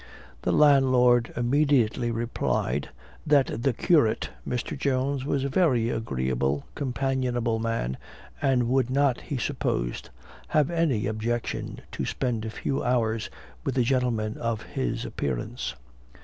The landlord immediately replied, that the curate, Mr. Jones, was a very agreeable, companionable man, and would not, he supposed, have any objection to spend a few hours with a gentleman of his appearance.